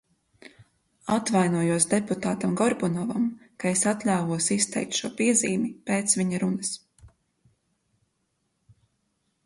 Atvainojos deputātam Gorbunovam, ka es atļāvos izteikt šo piezīmi pēc viņa runas.